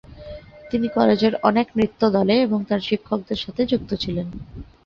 তিনি কলেজের অনেক নৃত্য দলে এবং তার শিক্ষকদের সাথে যুক্ত ছিলেন।